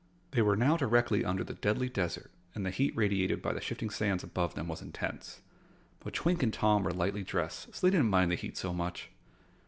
They were now directly under the Deadly Desert and the heat radiated by the shifting sands above them was intense. But Twink and Tom were lightly dressed, so they didn't mind the heat so much.